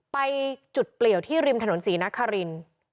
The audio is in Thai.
ไปจุดเปลี่ยวที่ริมถนนศรีนคริน